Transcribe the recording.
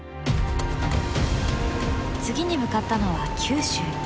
次に向かったのは九州。